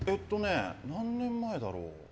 何年前だろう。